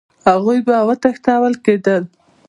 هغوی به تښتول کېده